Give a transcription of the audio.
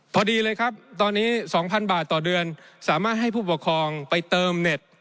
พอดีเลยครับตอนนี้๒๐๐บาทต่อเดือนสามารถให้ผู้ปกครองไปเติมเน็ต